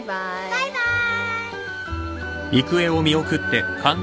バイバーイ。